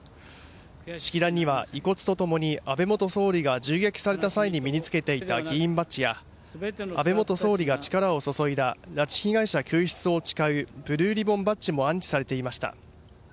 式壇には遺骨と共に安倍元総理が銃撃された際に身に付けていた議員バッジや安倍元総理が力を注いだ拉致被害者救出を誓うブルーリボンバッジも安置されていました。